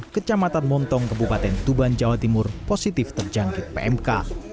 kecamatan montong kebupaten tuban jawa timur positif terjangkit pmk